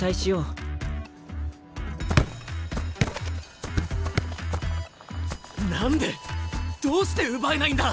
心の声何でどうして奪えないんだ！